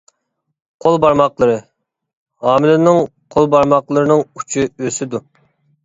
قول بارماقلىرى: ھامىلىنىڭ قول بارماقلىرىنىڭ ئۇچى ئۆسىدۇ.